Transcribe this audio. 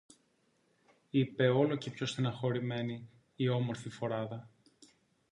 είπε όλο και πιο στενοχωρημένη η όμορφη φοράδα